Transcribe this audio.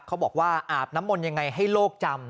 เขาบอกว่าอาบน้ำมนต์ยังไงให้โลกจำ